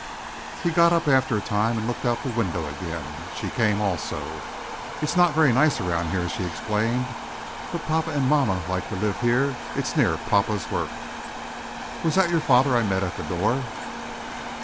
He got up after a time and looked out of the window again. She came also. "It's not very nice around here," she explained, "but papa and mamma like to live here. It's near papa's work." "Was that your father I met at the door?"